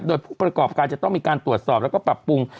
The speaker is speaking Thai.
โดยผู้ประกอบการจะต้องมีการตรวจสอบแล้วก็ปรับปรุง